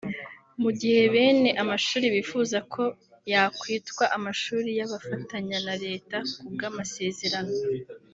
mu gihe bene amashuri bifuza ko yakwitwa amashuri y’abafatanya na Leta ku bw’amasezerano